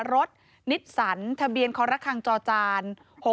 รถนิสสันทะเบียนคอรคังจอจาน๖๖